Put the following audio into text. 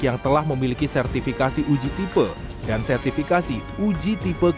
yang telah memiliki sertifikasi uji tipe dan sertifikasi uji tipe